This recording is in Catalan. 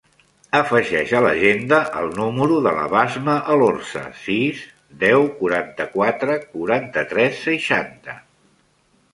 Afegeix a l'agenda el número de la Basma Elorza: sis, deu, quaranta-quatre, quaranta-tres, seixanta.